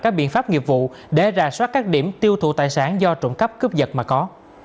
các biện pháp nghiệp vụ để rà soát các điểm tiêu thụ tài sản do trộm cắp cướp giật mà có